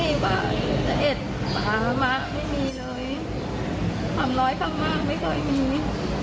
ไม่มีเลยคำน้อยคำมากไม่เคยมี